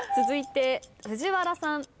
続いて藤原さん。